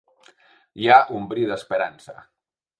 Hi ha un bri d’esperança.